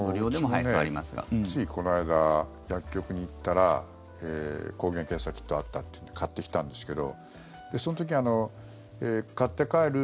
ついこの間薬局に行ったら抗原検査キットあったって言うので買ってきたんですけどその時買って帰る？